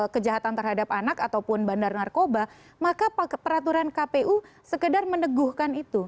kejahatan terhadap anak ataupun bandar narkoba maka peraturan kpu sekedar meneguhkan itu